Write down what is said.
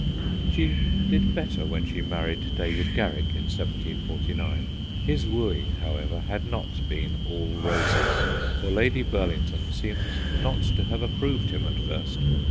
She did better when she married David Garrick in 1749. His wooing, however, had not been all roses, for Lady Burlington seems not to have approved him at first.